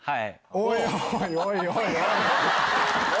おい、おい、おい、おい。